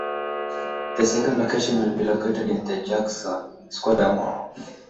The second location will be located in the Jackson Square mall.